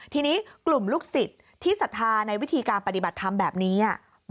ทีนี้กลุ่มลูกศิษย์ที่ศรัทธาในวิธีการปฏิบัติธรรมแบบนี้